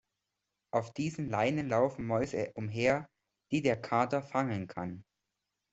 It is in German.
Auf diesen Leinen laufen Mäuse umher, die der Kater fangen kann.